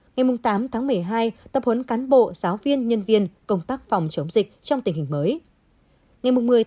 ngày tám tháng một mươi hai tập huấn cán bộ giáo viên nhân viên công tác phòng chống dịch trong tình hình mới